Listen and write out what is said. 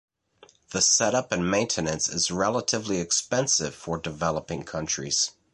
The setup and maintenance is relatively expensive for developing countries.